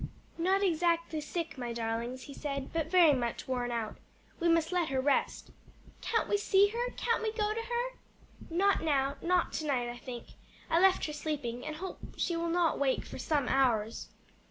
"Not exactly sick, my darlings," he said, "but very much worn out. We must let her rest." "Can't we see her? can't we go to her?" "Not now, not to night, I think. I left her sleeping, and hope she will not wake for some hours."